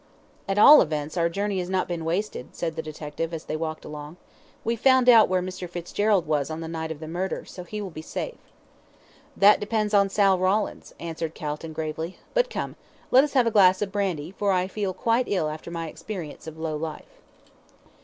"At all events, our journey has not been wasted," said the detective, as they walked along. "We've found out where Mr. Fitzgerald was on the night of the murder, so he will be safe." "That depends upon Sal Rawlins," answered Calton, gravely; "but come, let us have a glass of brandy, for I feel quite ill after my experience of low life."